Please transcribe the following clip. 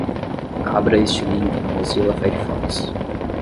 Abra este link no Mozilla Firefox.